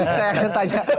saya akan tanya